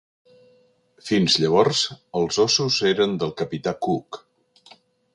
Fins llavors els ossos eren del capità Cook.